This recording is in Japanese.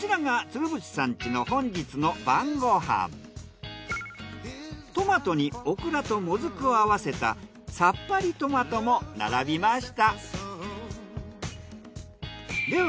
こちらがトマトにオクラともずくを合わせたさっぱりトマトも並びました。